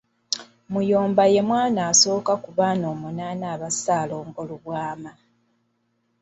Muyomba ye mwana asooka ku baana omunaana aba Ssalongo Lubwama.